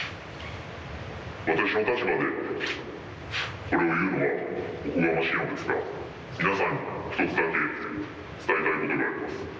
私の立場で、これを言うのは、おこがましいのですが、皆さんに一つだけ伝えたいことがあります。